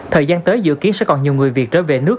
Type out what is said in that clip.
thời gian tới dự kiến sẽ còn nhiều người việt trở về nước